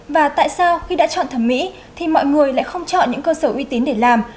và tại sao khi đã chọn thẩm mỹ thì mọi người lại không chọn những cơ sở uy tín để làm